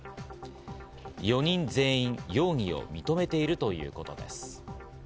４人全員容疑を認めているということです。